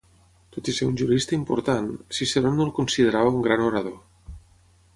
Tot i ser un jurista important, Ciceró no el considerava un gran orador.